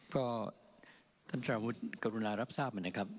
ก็ท่านสารวุฒิกรุณารับทราบมานะครับ